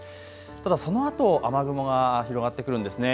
ただそのあと雨雲が広がってくるんですね。